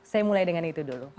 saya mulai dengan itu dulu